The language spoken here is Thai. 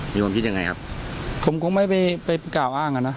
มีความคิดยังไงครับผมคงไม่ไปไปกล่าวอ้างอ่ะนะ